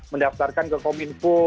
mendaftarkan ke kominfo